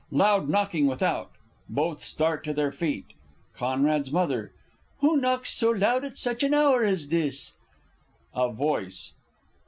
Loud knocking without. Both start to their feet._ C.'s M. Who knocks so loud at such an hour as this? _A Voice.